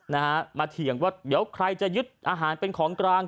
นะฮะมาเถียงว่าเดี๋ยวใครจะยึดอาหารเป็นของกลาง